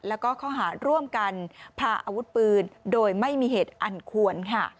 และข้อหาร่วมกันผ่าอาวุธปืนโดยไม่มีเหตุอันควร